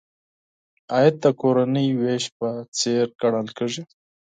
عاید د کورنۍ وېش په څېر ګڼل کیږي.